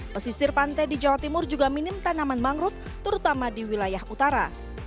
pesisir pantai di jawa timur juga minim tanaman mangrove terutama di wilayah utara